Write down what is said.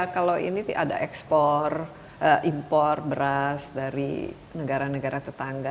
kalau ini ada ekspor impor beras dari negara negara tetangga